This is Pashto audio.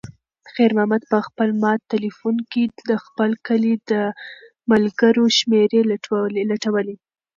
خیر محمد په خپل مات تلیفون کې د خپل کلي د ملګرو شمېرې لټولې.